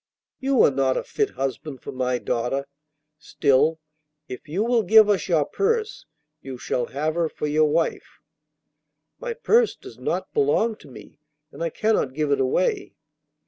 'You are not a fit husband for my daughter. Still, if you will give us your purse, you shall have her for your wife.' 'My purse does not belong to me, and I cannot give it away.